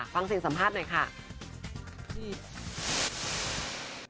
ฟังเสียงสัมภาษณ์หน่อยค่ะ